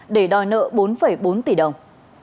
để đòi nợ bốn bốn tỷ đồng